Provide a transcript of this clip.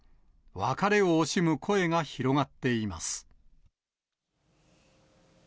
別れを惜しむ声が広がっています。